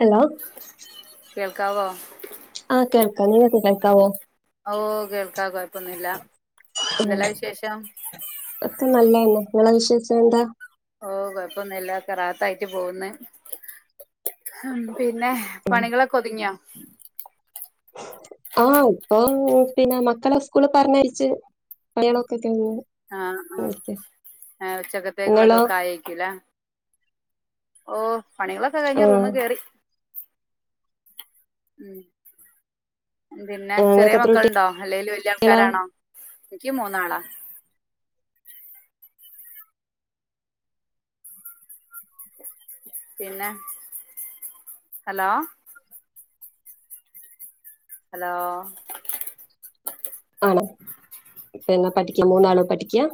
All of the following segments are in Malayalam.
ഹലോ കേൾക്കാവോ. ആഹ് കേൾക്കാം നിങ്ങക്ക് കേൾക്കാവോ? ഓഹ് കേൾക്കാം കൊഴപ്പൊന്നുല്ലാ ഉം എന്തെല്ലാ വിശേഷം? ഒക്കെ നല്ലയെന്നെ ഇങ്ങളെ വിശേഷം എന്താ? ഓഹ് കൊഴപ്പൊന്നുല്ലാ ഒക്കെ റാഹത്തായിട്ട് പോകുന്ന്. ആഹ് പിന്നെ ഉം പണികളൊക്കെ ഒതുങ്ങിയോ? ആഹ് ഇപ്പോ പിന്നെ മക്കളെ സ്കൂള് പറഞ്ഞയച്ച് പണിളൊക്കെ കഴിഞ്ഞു ആഹ് ആഹ് ആഹ് നിങ്ങളോ ഉച്ചക്കത്തേക്ക്ള്ളതൊക്കെ ആയേക്കുല്ലേ? ഓഹ് പണികളൊക്കെ ആ കഴിഞ്ഞു റൂമിൽ കേറി. ഉം പിന്നെ ആ, ചെറിയ നിങ്ങൾക്ക് എത്ര മക്കളുണ്ടോ? അല്ലേല് വല്യ കുട്ടികളാ ആൾക്കാരാണോ? ഇൻക്ക് മൂന്നാളാ. പിന്നെ ഹലോ ഹലോ ആണോ പിന്നാ പഠിക്കാ മൂന്നാളും പഠിക്കാ?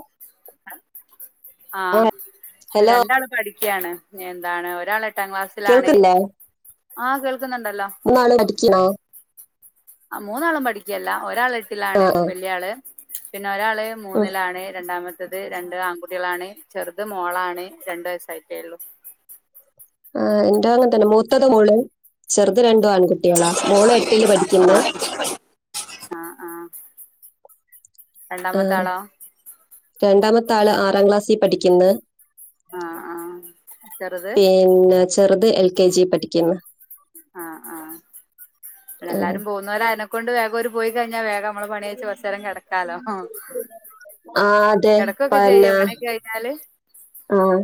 ആ ആഹ് ഹലോ രണ്ടാളും പഠിക്കയാണ് എന്താണ് ഒരാള് എട്ടാം ക്ലാസ്സിലാണ് കേൾക്കുന്നില്ലേ ആഹ് കേൾക്കുന്നുണ്ടല്ലോ മൂന്നാള് പഠിക്കാണോ? ആഹ് മൂന്നാളും പഠിക്കല്ല ഒരാള് ആ എട്ടിലാണ് ആ വല്യയാള് പിന്നെ ഒരാള് ഉം മൂന്നിലാണ് രണ്ടാമത്തെ ത് രണ്ട് ആൺകുട്ടികളാണ് ചെറുത് മോളാണ് രണ്ട് വയസ്സായിട്ടൊള്ളു ആഹ് ഇന്റെതും അങ്ങത്തന്നെ മൂത്തത് മോള് ചെറുത് രണ്ടും ആൺകുട്ടികളാ മോള് എട്ടില് പഠിക്ക്ന്ന് ആഹ് ആഹ് രണ്ടാമത്തെ ആഹ് ആളോ രണ്ടാമത്താള് ആറാം ക്ലാസ്സിൽ പഠിക്ക്ന്ന് ആഹ് ആഹ് ചെറുത് പിന്നെ ചെറുത് എൽ. കെ. ജി. പഠിക്ക്ന്ന് ആഹ് ആഹ് പിന്നെ ആ എല്ലാരും പോകുന്നവര് ആയനെക്കൊണ്ട് വേഗം ഓര് പോയി കഴിഞ്ഞാ വേഗം അമ്മളെ പണി കയിച്ച് കൊറച്ചേരം കെടക്കാലോ? ആ അതെ കെടക്കൊക്കെ ചെയ്യൊ പണിയൊക്കെ കഴഞ്ഞാല്? ആഹ്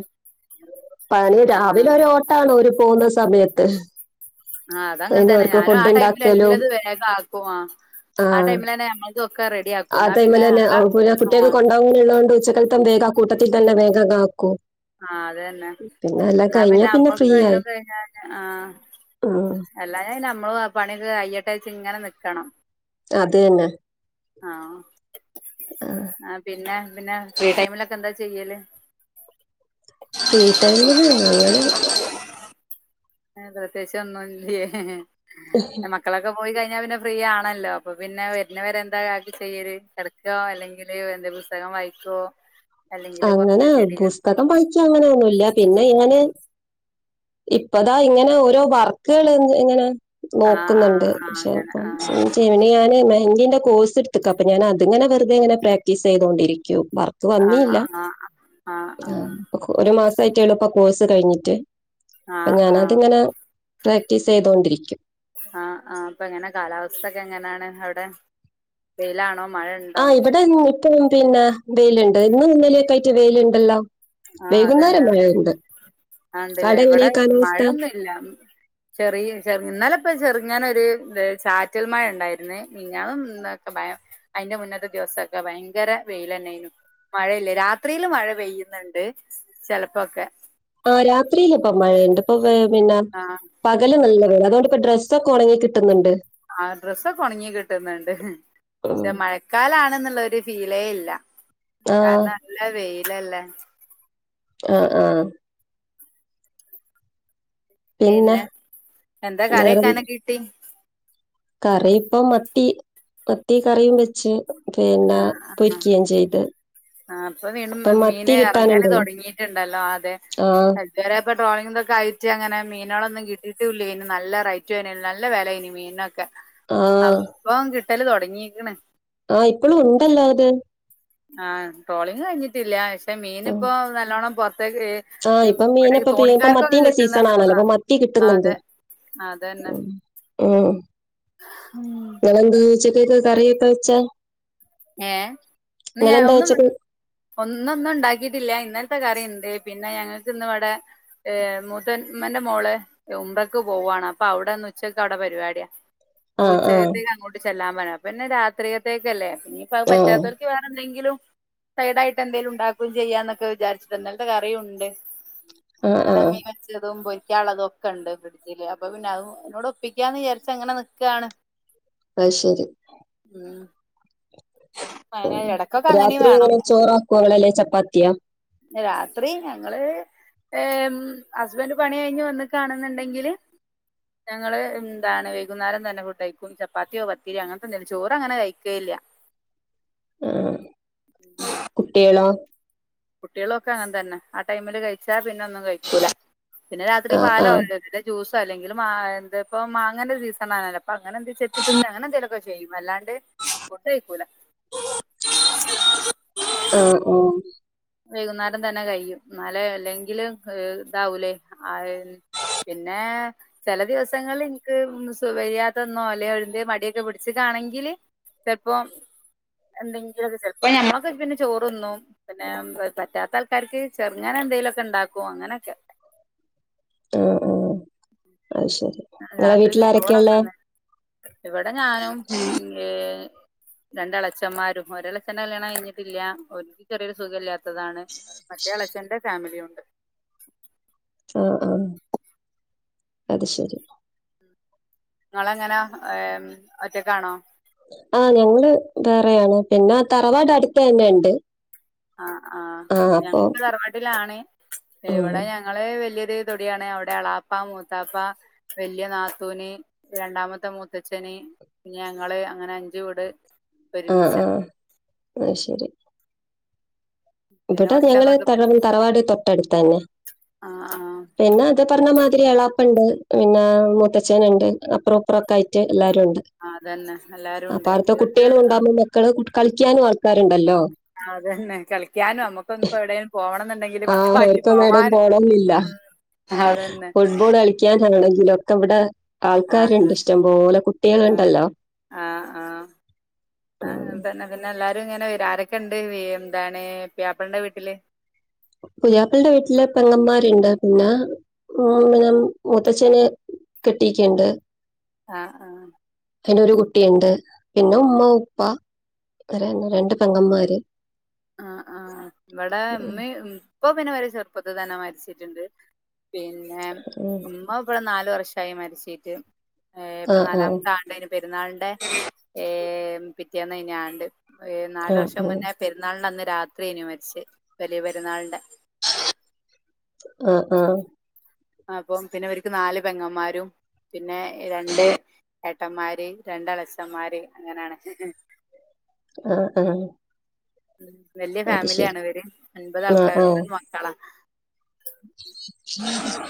പണി രാവിലെ ആഹ് ഒരു ഓട്ടാണ് ഓര് പോകുന്ന സമയത്ത് ആഹ് അത് അതിന് അങ്ങത്തന്നെ അവർക്ക് ഞാനും ആ ഫുഡ് ടൈമില് ഉണ്ടാക്കലും എല്ലതും വേഗാക്കും ആഹ് ആ ടൈമിലന്നെ ഞമ്മൾതൊക്കെ റെഡി ആക്കും ആ എന്നാ പിന്നെ ടൈമലന്നെ പിന്നെ ആഹ് കുട്ടികൾക്ക് കൊണ്ടോകാൻ ഇള്ളോണ്ട് ഉച്ചക്കൽത്തെ എന്തേലും ആ കൂട്ടത്തിൽ തന്നെ വേഗങ്ങ് ആക്കും ആഹ് അത് തന്നെ പിന്നെ എല്ലാം ഇന്നാ പിന്നെ കഴിഞ്ഞാൽ ഫ്രീ അമ്മക്ക് ആയി എല്ലും കഴിഞ്ഞ പിന്നെ ആഹ് ഉം എല്ലാഞ പിന്നെ നമ്മള് പണിയക്കെ കയിയെട്ടെ വിയാരിച്ച്ങ്ങനെ നിക്കണം അത് തന്നെ ആഹ് ആ ആഹ് പിന്നെ പിന്നെ ഫ്രീ ടൈമിലൊക്കെ എന്താ ചെയ്യല്? ഫ്രീ ടൈമില് അങ്ങനെ ഏഹേ പ്രത്യാകിച്ച് ഒന്നുംല്ല്യ? ഉ മക്കളൊക്കെ പോയി കഴിഞ്ഞാ പിന്നെ ഫ്രീയാണല്ലോ അപ്പൊ പിന്നെ വരുന്നവരെ എന്താ കാ ചെയ്യൽ കെട ക്കോ അല്ലെങ്കില് എന്തേം പുസ്തകം വായിക്കുവോ? അങ്ങനെ പുസ്തകം വായിക്കാ അങ്ങനയൊന്നുല്ല പിന്നെ ഞാന് ഇപ്പതാ ഇങ്ങനെ ഓരോ വർക്കുകള ഇങ്ങനെ ആഹ് നോക്കുന്നുണ്ട് ആഹ് ആഹ് പക്ഷെ അങ്ങനെ ഇപ്പം ആഹ് ഒന്നും ചെയ്യ ഞാന് മെഹന്തീന്റെ കോഴ്സ് ഇട്ത്ത്ക്ക അപ്പൊ ഞാന് അത്ങ്ങനെ വെറ്തെ ഇങ്ങനെ പ്രക്ടീസ് ചെയ്തോണ്ടിരിക്കും വർ ആഹ് ആഹ് ആഹ് ആഹ് ഇപ്പൊ ഒരു മാസായിട്ടേ ഒള്ളൂ ഇപ്പൊ കോഴ്സ് കഴിഞ്ഞിട്ട് അപ്പൊ ആഹ് ആഹ് ഞാനത് ഇങ്ങനെ പ്രാക്ടീസ് ചെയ്തോണ്ടിരിക്കും ആഹ് ആ് ഇപ്പൊ എങ്ങനെ കാലാവസ്ഥക്കെ എങ്ങനെയാണ് അവിടെ വെയിലാണോ മഴണ്ടോ? ആഹ് ഇബടെ ഇപ്പം പിന്നെ വെയില്ണ്ട് ഇന്നും ഇന്നലെക്കെ ആയിട്ട് വെയിലുണ്ടല്ലോ? ആഹ് അതന്നെ വൈകുന്നേരം തോന്ന്ണ്ട് മഴയുണ്ട് ആഹ് ഇണ്ടില്ലേ? അവിടെ ഇവിടെ എങ്ങനെയാ മഴ കാലാവസ്ഥ ഒന്നുല്ല ചെറിയ ചെറി ഇന്നലപ്പൊ ചെറുങ്ങനൊരു ചാറ്റൽ മഴ ഇണ്ടായിരുന്നുന്നേ മിഞ്ഞാന്നും ഇന്നലെക്കെ ഭയ അയിന്റെ മുന്നത്തെ ദിവസൊക്കെ ഭയങ്കര വെയിലെന്നേനു മഴയില്ല രാത്രിയില് മഴ പെയ്യുന്നുണ്ട് ചെലപ്പൊക്കെ ആഹ് രാത്രിയില് ഇപ്പം മഴയ്ണ്ട് ഇപ്പൊ പിന്നെ ആഹ് പകല് നല്ല വെയില അതോണ്ടിപ്പം ഡ്രസ്സൊക്കെ ഒണങ്ങി കിട്ടുന്നുണ്ട് ആഹ് ഡ്രസ്സൊക്കെ ഒണങ്ങി കിട്ടുന്നുണ്ട് ഉം പക്ഷെ മഴ ക്കാലാണ്ന്ന്ള്ളൊരു ഫീലേ ഇല്ല ആ കാരണം നല്ല വെയിലല്ലേ? ആഹ് ആഹ് പിന്നെ എന്താ വേറെന്ത് കറിയെക്കാനക്കെ കിട്ടി? കറി ഇപ്പ മത്തി മത്തി കറീ വെച്ച ച്ചു തേങ്ങ പൊരിക്കുകയും ചെയ്ത് ആ അപ്പൊ വീണ്ടും ഇപ്പൊ മത്തി മീന് ഇറങ്ങാല് കിട്ടാനുണ്ടല്ലോ തുടങ്ങിയിട്ടുണ്ടല്ലോ അതെ ആഹ് വേറെ ഇപ്പൊ ട്രോളിങ് ഒക്കെ ആയിട്ട് അങ്ങനെ മീനുകളൊന്നുകിട്ടിട്ടില്ല ഇനി നല്ല റൈറ്റന നല്ല വില ഇനി മീനിനൊക്കെ ആഹ് അപ്പ കിട്ടല് തുടങ്ങിക്കണ് ആഹ് ഇപ്പോളും ഉണ്ടല്ലോ അത് ആഹ ട്രോളിങ്ങ് കഴിഞ്ഞിട്ടില്ല പക്ഷെ മീനി ഉം ഇപ്പൊ നല്ലവോണ്ണം പുറത്തേക്ക് ആഹ് ഏ, ഇപ്പൊ മീൻ ഇവിടെ ഇപ്പ ഇപ്പ തോണിക്കാർക്കൊക്കെ മത്തിന്റെ സീസൺ കിട്ടുന്നുണ്ട് തോണ ആണല്ലോ ഇപ്പൊ മത്തി കിട്ടുന്നുണ്ട് അതെ ഉം ഉം ഹും നിങളെന്തു ഉച്ചത്തേക്കു കറിയൊക്കെ വെച്ചാ ഏഹ നീ നിങ്ങളെന്താ ഒന്നും ഉച്ചക്ക് ഒന്നൊന്നും ഉണ്ടാക്കിയിട്ടില്ല ഇന്നലത്തെ കറിയുണ്ട് പിന്നെ ഞങ്ങൾക്കിന്ന ഇവിടെ ഏ മുതാൻമന്റെ മോള ഉമ്ര ക്ക് പോവാണ് അപ്പൊ അവിടെന്ന് ഉച്ചക്ക് അവിടെ പരിപാടിയാ അപ്പൊ ആഹ് ആഹ് ഉച്ചകത്തേക്ക് അങ്ങോട്ട് ചെല്ലാൻ പറയ പിന്നെ രാത്രിയത്തേക്കല്ലേ ഇന്നനിയിപ്പ അഹ് ആഹ് പറ്റാത്തൊ വേറെന്തേങ്കിലും സൈഡായിട്ട് എന്തെങ്കലും ഉണ്ടാക്കുകയും ചെയ്യാന്നൊക്കെ വിചാരിച്ചു ഇന്നലെത്തെ കറിയുണ്ട് ആഹ് അങ്ങനെ ആഹ് മീൻ വെച്ചതും പൊരിക്കുള്ളതും ണ്ട് ഫ്രഡജ അപ്പോ പിന്നെ അത് എന്നോട് ഒപ്പിക്കാന്ന് വിചാരിച്ച എങ്ങനെ നിക്കയാണ് ആതു ശരി ഉം അങ്ങനെ ഇടക്കൊക്കെ അങ്ങനെയും രാത്രി വേണം ചോറ് ആക്കുവളെല്ലേ ചപ്പാത്തിയ രാത്രി ഞങ്ങള് ഹസ്ബൻഡറ് പണി കഴിഞ്ഞു വന്ന് കാണുന്നുണ്ടെങ്കില് ഞങ്ങള്ൾ എന്താണ് വൈകുന്നേരം തന്നെ ഫൂട്ട് കഴിക്കും ചപ്പാത്തിയോ പത്തിരിയ അങ്ങനത്തെന്തെിലും ചോറ് അങ്ങനെ കഴുകയില്ല ആഹ കുട്ടികളോ കുട്ടികളൊക്കെ അങ്ങനെ തന്നെ ആ ടൈമില് കഴിച്ചാ പിന്നെ ഒന്നും കഴിക്കൂട പിന്നെ രാത്രി ആഹ് പാല വ ആഹ് ഇല് ജ്യൂസ് അല്ലെങ്കിൽ മാങ്ങ എന്താ ഇപ്പ മാങ്ങന്റെ സീസണ ആണല്ലോ അപ്പ അനെന്ത ചെയെത്തിട്ട അങ്ങനെ എന്തെേലുംക്കെ ചെയ്യും അല്ലാണ്ട് ഫുഡ്‌ കഴിക്കുല്ല ആഹ ഓ വൈകുന്നേരം തന്നെ കഴിയും എന്നാലെ അല്ലെങ്കിൽ ഇതാവൂലേ ആ പിന്നെ ചില ദിവസങ്ങള എനിക്ക് സുബ്ഹായാത്തൊന്നോ അല്ലെ ഒഴി മടിയൊക്കെ പിടിച്ച കാണെങ്കില് ചെലപ്പോ എന്തെങ്കിലൊക്കെ ചല്പ്പോ ഞമ്മക്ക് പിന്നെ ചോറൊന്നും പിന്നെ പറ്റാത്ത ആൾക്കാർ ചെരുങ്ങനെ എന്തേലുമൊക്കെ ഉണ്ടാക്കോ അങ്ങനെയൊക്കെ ആഹ് ആഹ് അത് ശരി നിങ്ങളെ രാത്രിയില് വീട്ടിൽആ രൊക്കെയ ഉള്ള ചോറന്നാണ് ഇവിടെ ഞാനും പിന്നെ രണ്ട എളച്ചന്മാരും ഒരളച്ചന്റെ കല്യാണം കഴിഞ്ഞിട്ടില്ല ഒരുതിക്കു ചെറിയൊരു സുഖ ഇല്ലാത്തതാണ് മറ്റേ എളച്ഛന്റെ ഫാമിലി ഉണ്ട് ആഹ് ആഹ് അത് ശരി നിങ്ങളെങ്ങനാ ഒറ്റക്കാണോ ആഹ ഞങ്ങള് വേറെയാണ് പിന്നെ തറവാട് അടുത്ത തന്നെ ഉണ്ട് ആഹ് ആഹ് ഞങ്ങക്ക് തറവാട്ടിലാണ് ഉം എവിടെ ഞങ്ങള് വലിയൊരു തൊടിയാണ് അവിടെ എളാപ്പ മൂത്താപ്പ വലിയ നാത്തൂന് രണ്ടാമത്തെ മുത്തച്ഛന് പിന്നെ ഞങ്ങള് അങ്ങനെ അഞ്ച് വീട് ആഹ് ഒരുമിച്ചാ ആഹ് അ ശരി പിന്നെ ഇവടെ ഞങ്ങള് കൊറച്ചങ്ങോട്ട് തറ തറവാട് തൊട്ടടുത്ത് തന്നെ ആഹ് ആഹ് പിന്നെ അതെ പറഞ്ഞ മാതിരി എളാപ്പയുണ്ട് പിന്നെ മുത്തച്ഛന് ഉണ്ട് അപ്പറം ഇപ്പറൊക്കെ ആയിട്ട് എല്ലാരും ഉണ്ട് ആ അതന്നെ എല്ലാരുവൊണ്ട് അപ്പൊരു ആഹ് ക്കള് കളിക്കാനും ആൾക്കാരുണ്ടല്ലോ അതന്നെ കളിക്കാനും നമ്മക്കിപ്പോന്ന് എവിടേലും പോണന്നുണ്ടെങ്കില് ആഹ് ഇവർക്കൊന്നും എവടെം പോണന്നീല്ല അതന്നെ ഫുട്ബോൾ കളിക്കണം ക്കാനാണെങ്കിലും ഒക്കെ ഇവിടെ ആ ആൾക്കാരൊണ്ട് അതെ ഇഷ്ടം പോലെ ആ കുട്ടികളുണ്ടല്ലോ ആഹ് അതന്നെ പിന്നെ എല്ലാരും ഇങ്ങനെ വരും ആരൊക്കെ ഉണ്ട് എന്താണ് പുയാപ്പളേന്റെ വീട്ടില് പുയാപ്ലന്റെ വീട്ടില് പെങ്ങന്മാരുണ്ട് പിന്നെ ഇങ്ങനെ മുത്തച്ഛന് കെട്ടീക്കിണ്ട് ആഹ് ആഹ് അയിന് ഒരു കുട്ടിയൊണ്ട് പിന്നെ ഉമ്മ ഉപ്പ രണ്ട് പെങ്ങമാര് ആഹ് ആഹ് ഇവടെ ഉം, ഇമ്മിം ഉപ്പ പിന്നെ ഇവരെ ചെറുപ്പത്ത് തന്നെ മരിച്ചിട്ടുണ്ട് പിന്നെ ഉം. ഉമ്മ ഇപ്പ നാല് വർഷായി മരിച്ചിട്ട് ഏഹ് ഇപ്പം നാലാമത്ത ആ [unintelligible] പെരുന്നാളിന്റെ ഏഹ് പിറ്റേന്ന് ആയിന് ആണ്ടു ഏഹ് നാലു ആ ആ വർഷം മുന്നേ പെരു പെരുന്നാളിൻ്റെ അന്ന് രാത്രി എയിനു മരിച്ചെ വലിയ പെരുന്നാളിന്റെ ആഹ് ആഹ് അപ്പോ പിന്നെ ഇവര്ക്ക് നാല് പെങ്ങമാരും പിന്നെ രണ്ട് ഏട്ടന്മാര് രണ്ട് എളച്ചന്മാര് അങ്ങനെയാണ് ആഹ് ആഹ് ഉം വെല്ല്യ ഫാമിലിയാണ് ഇവര് ആ അൻപതാൾക്കാര് ആ അഞ്ച് മക്കളാ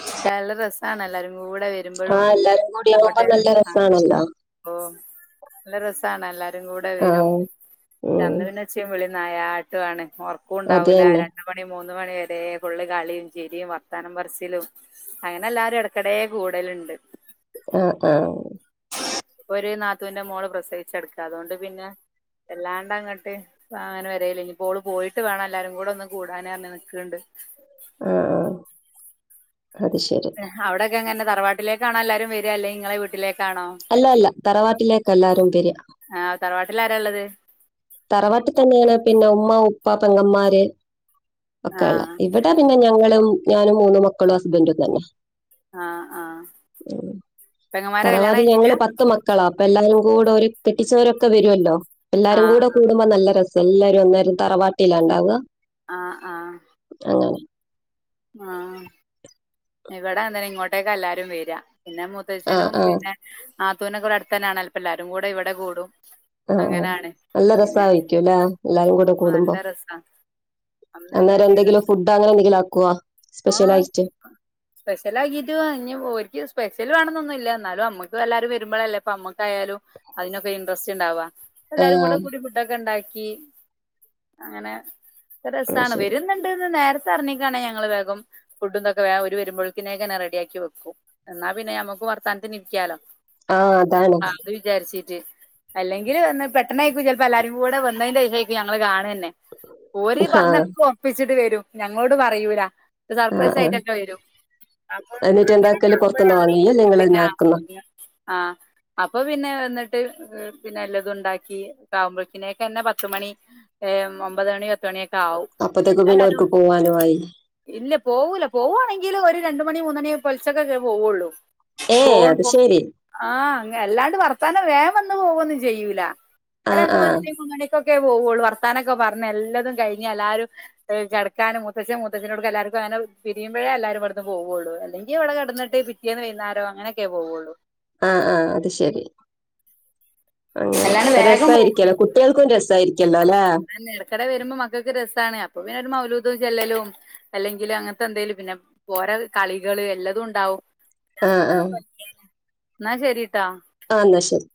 പക്ഷേ നല്ല രസാണ് എല്ലാരും കൂടെ വരുമ്പോ ആഹ് എല്ലാരും കൂടി ആവുമ്പോ നല്ല രസാണല്ലോ ഓഹ് നല്ല രസാണ് എല്ലാരും കൂടെ ആ വരും ഉം അന്ന് പിന്നെ ചിരീം വിളീം നയാട്ടുമാണ് അത് ഉറക്കുണ്ടാവൂല്ല തന്നെ രണ്ടും മണി മൂന്ന് മണി വരേം ഫുള്ള് കളിം ചിരിം വർത്താനം പറച്ചിലും അങ്ങനെല്ലാരും എടക്കിടെ കൂടലുണ്ട് ആഹ് ആഹ് ഒരു നാത്തൂന്റെ മോള് പ്രസവിച്ച് കിടക്ക അതുകൊണ്ട് പിന്നെ വല്ലാണ്ട് അങ്ങട്ട് അങ്ങനെ വരേലില്ലേ ഇനിയിപ്പോ ഓള് പോയിട്ട് വേണം എല്ലാരും കൂടെ ഒന്ന് കൂടാന്പറന്ന് നിൽക്കണ്ട് ആഹ് ആഹ് അത് ശെരി അവിടക്കെങ്ങനെ തറവാട്ടിലേക്കാണോ എല്ലാരും വര്യ അല്ലേ ഇങ്ങളെ വീട്ടിലേക്കാണോ അല്ലല്ല തറവാട്ടിലേക്ക എല്ലാരും ബെര ആഹ് തറവാട്ടിൽ ആരാ ഇള്ളത് തറവാട്ടി തന്നെയാണ് പിന്നെ ഉമ്മ ഉപ്പ പെങ്ങമാര് ഒക്കെയുള്ള ആഹ് ഇവട പിന്നെ ഞങ്ങളും ഞാനും മൂന്നു മക്കളും ഹസ്ബൻഡും തന്നെ ആഹ് ആഹ് പെങ്ങമ്മാരെ കല്യാണം തറവാടിൽ കഴിഞ്ഞില്ല ഞങ്ങള് പത്ത് മക്കളാ അപ്പൊ എല്ലാരും കൂടെ ഒരു കെട്ടിച്ചവരൊക്കെ വരുമല്ലോ എല്ലാരും കൂടെ ആഹ് കൂടുമ്പോ നല്ല രസാ എല്ലാരും അന്നേരം തറവാട്ടിലാ ഇണ്ടാവ ആഹ് ആഹ് അങ്ങനെ ആഹ് ഇവടെം അങ്ങനെ ഇങ്ങോട്ടേക്ക എല്ലാരും വെര പിന്നെ ആ മുത്തച്ഛനും ആ ആ പിന്നെ നാത്തൂൻ ഒക്കെ ഇവടെ അടുത്ത് തന്നാണ് അപ്പം എല്ലാരും കൂടെ ഇവടെ കൂടും ആഹ് അങ്ങനാണ് നല്ല പിന്നെ രസായിരിക്കൂല്ലേ എല്ലാരും കൂടെ കൂടുമ്പോ രസാ അന്നെ തന്നെ അന്നേരം അങ്കി എന്തെങ്കിലും ഫുഡ് അങ്ങനെ എന്തെങ്കിലും ആക്കോ ആഹ് സ്പെഷ്യൽ ആകിട്ടും ഇനി ഓരിക്ക് സ്പെഷ്യൽ വേണം എന്നൊന്നുല്ല എന്നാലും നമ്മുക്ക് എല്ലാവരും വരുമ്പോഴല്ലേ ഇപ്പൊ നമ്മക്കായാലും അതിനൊക്കെ ഇൻ്റസ്റ്റ് ഉണ്ടാവാ ആ എല്ലാരും കൂടെ ഫുഡൊക്കെ ഉണ്ടാക്കി അങ്ങനെ ഒരു ആ, രസമാണ് ശരി വരുന്നുണ്ടെങ്കിൽ നേരത്തെ അറിഞ്ഞിക്കാണെങ്കിൽ ഞങ്ങള് വേഗം ഫുഡും ഇതുമൊക്കെ ഓരു വരുമ്പോഴേക്ക് റെഡിയാക്കി വെക്കും എന്നാ പിന്നെ ഞമ്മക്ക് വർത്താനത്തിന് ഇരിക്കാലോ ആ അതാണ് ആഹ് അത് വിചാരിച്ചിട്ട് അല്ലെങ്കിൽ വന്ന് പെട്ടന്നായിരിക്കും ചിലപ്പോ എല്ലാരും കൂടെ വന്നതിന്റെ ശേഷം ആയിരിക്കും ഞങ്ങള് കാണുന്നത് തന്നെ ഓര് ആ പറഞ്ഞൊക്കെ ഒപ്പിച്ചിട്ട് വരും ഞങ്ങളോട് പറയൂല ആ സർപ്രൈസ് ആ ആയിട്ടൊക്കെ വരും അപ്പം എന്നിട്ട് അങ്ങനെ ഒക്കെ എന്താക്കല് പുറത്തുനിന്ന് ആകുമ്പോഴാണ് വാങ്ങിയല്ലേ നിങ്ങൾ തന്നെ പിന്നെ ആക്കുന്ന ആഹ് അപ്പൊ പിന്നെ വന്നിട്ട് പിന്നെ എല്ലാതും ഉണ്ടാക്കി ആവുമ്പോഴക്കിനൊക്കെ എന്നന്നെ പത്തുമണി ഏഹ് ഒമ്പത് മണി പത്ത് മണിയൊക്കെ അപ്പത്തേക്ക് പിന്നെ ഓർക്ക് പോവാനുമായി ഇല്ല പോവൂല പോവുവാണെങ്കിൽ ഒരു രണ്ട് മണി മൂന്ന് മണി പുലർച്ചക്കൊക്കെ പോവുള്ളൂ ഏ പോകും അത് പോ ശരി ആഹ് അല്ലാണ്ട് വർത്താനം വേഗം വന്ന് പോവുകൊന്നും ചെയ്യൂല ആ അത് രണ്ടു ആ മാസം കഴിഞ്ഞ് ഇങ്ങടേക്ക് ക്കെ പോവുള്ളൂ വർത്താനൊക്കെ പറഞ്ഞ് എല്ലാതും കഴിഞ്ഞാ എല്ലാരും കിടക്കാനും മുത്തച്ച്ഛനു മുത്തശ്ശി അതിനോടു എല്ലാവർക്കും അങ്ങനെ പിരിയുമ്പഴേ എല്ലാരും ഇവിടുന്ന് പോവയുള്ളൂ അല്ലെങ്കിൽ ഇവിടെ കിടന്നിട്ട് പിറ്റേന്ന് വൈകുന്നേരോ അങ്ങനൊക്കെ പോവുള്ളൂ ആഹ് ആഹ് അത് ശരി അങ്ങെനെ അല്ലാണ്ട് അപ്പ വേഗം പോകൊന്നും രസായ്രിക്കല്ലാെ കുട്ട്യേൾക്കും രസായ്രിക്കല്ലാെ അല്ലേ ങ്ങെനെ വെരുമ്പം മക്കക്ക് രെസാണ് അപ്പൊ പിന്നൊര് മൗലൂദ് ചെല്ലലും അല്ലെങ്കില് അങ്ങൻത്തെന്തേലും പിന്നെ പോരെ കളികെള് എല്ലതുണ്ടാവും ആഹ് ആഹ് ന്നാ ശരി ട്ടാ ആഹ് ന്നാ ശരി